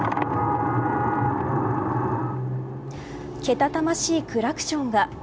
けたたましいクラクションが。